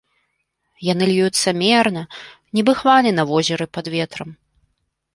Яны льюцца мерна, нібы хвалі на возеры пад ветрам.